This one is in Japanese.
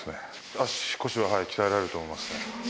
足腰は鍛えられると思いますね。